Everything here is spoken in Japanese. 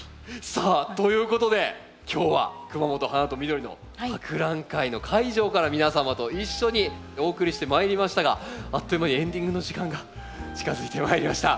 さあということで今日は「くまもと花とみどりの博覧会」の会場から皆様と一緒にお送りしてまいりましたがあっという間にエンディングの時間が近づいてまいりました。